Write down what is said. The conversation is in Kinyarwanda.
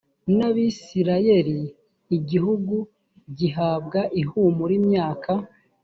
n abisirayeli igihugu gihabwa ihumure imyaka